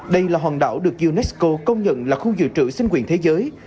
đây là hòn đảo được unesco công nhận là khu dự trữ sinh quyền thế giới